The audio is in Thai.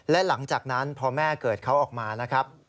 และหลังจากนั้นพอแม่เกิดเขาออกมานะครับ